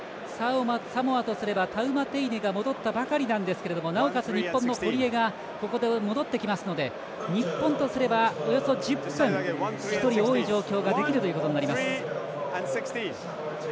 サモアとすればタウマテイネが戻ったばかりなんですけどもなおかつ日本の堀江がここで戻ってきますので日本とすれば、およそ１０分１人、多い状況ができるということになります。